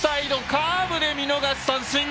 カーブで見逃し三振。